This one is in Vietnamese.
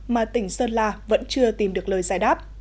mà tỉnh sơn la vẫn chưa tìm được lời giải đáp